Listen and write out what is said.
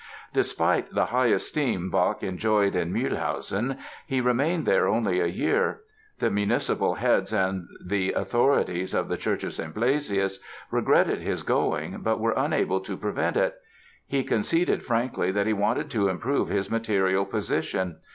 Despite the high esteem Bach enjoyed in Mühlhausen he remained there only a year. The municipal heads and the authorities of the Church of St. Blasius regretted his going but were unable to prevent it. He conceded frankly that he wanted to improve his material position.